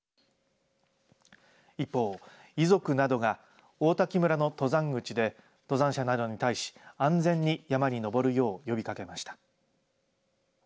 一方、遺族などが王滝村の登山口で登山者などに対し安全に山に登るよう呼びかけました。